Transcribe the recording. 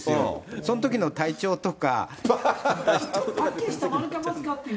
そのときの体調とか。